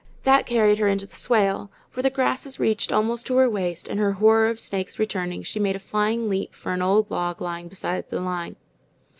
That carried her into the swale, where the grasses reached almost to her waist, and her horror of snakes returning, she made a flying leap for an old log lying beside the line.